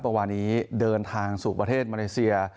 เมื่อวานนี้เดินทางสู่ประเทศมาเลเซีย